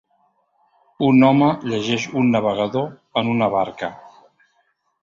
un home llegeix un navegador en una barca.